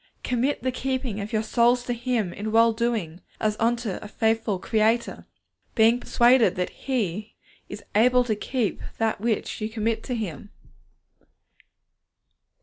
Commit the keeping of your souls to Him in well doing, as unto a faithful Creator, being persuaded that He is able to keep that which you commit to Him.